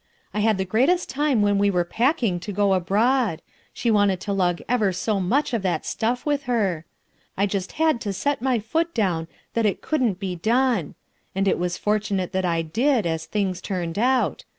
I bad the greatest time when we were packing to go abroad ; she wanted to lug ever so much of that stuff with her E I just had to set my foot down that it couldn't be done; and it was fortunate that I did, as things turned out.